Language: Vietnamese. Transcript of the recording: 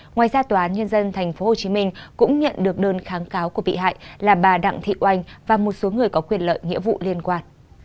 ngoài ra tòa án nhân dân tp hcm cũng nhận được đơn kháng cáo của bị hại là bà đặng thị oanh và một số người có quyền lợi nghĩa vụ liên quan